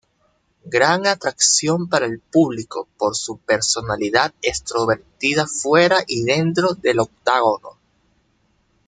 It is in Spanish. Gran atracción para el público por su personalidad extrovertida fuera y dentro del octágono.